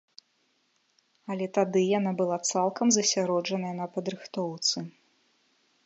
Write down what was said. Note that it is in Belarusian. Але тады яна была цалкам засяроджаная на падрыхтоўцы.